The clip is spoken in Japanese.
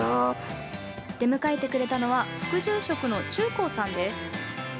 出迎えてくれたのは副住職の忠晃さんです。